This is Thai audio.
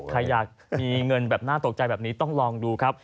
ใครอยากมีเงินแบบน่าตกใจแบบนี้ต้องลองดูครับ